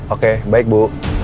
oke baik bu